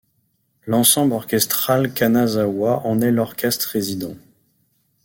L'Ensemble orchestral Kanazawa en est l'orchestre résident.